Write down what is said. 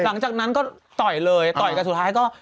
หลังจากนั้นก็ต่อยเลยต่อยกันสุดท้ายก็